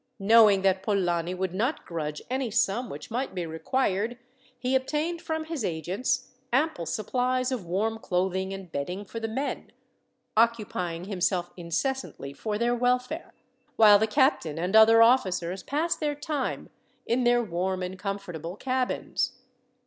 Knowing that Polani would not grudge any sum which might be required, he obtained from his agents ample supplies of warm clothing and bedding for the men, occupying himself incessantly for their welfare, while the captain and other officers passed their time in their warm and comfortable cabins.